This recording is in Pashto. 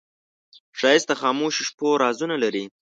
ښایست د خاموشو شپو رازونه لري